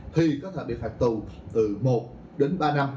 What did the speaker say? thì có thể bị phạt tù từ một đến ba năm